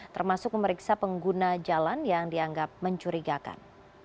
termasuk memeriksa pengguna jalan yang dianggap mencurigakan